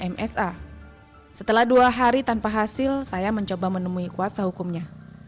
msa setelah dua hari tanpa hasil saya mencoba menemui kuasa hukumnya